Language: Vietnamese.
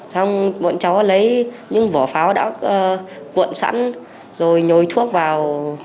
xong bọn cháu lấy những vỏ pháo đã cuộn sẵn rồi nhồi thuốc vào